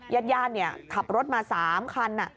ญาติขับรถมา๓คัน